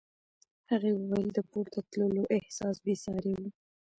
هغې وویل د پورته تللو احساس بې ساری و.